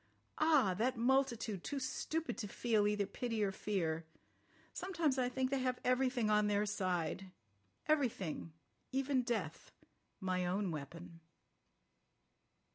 Ah! that multitude, too stupid to feel either pity or fear. Sometimes I think they have everything on their side. Everything—even death—my own weapon."